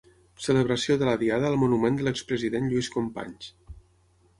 Celebració de la Diada al monument de l'expresident Lluís Companys.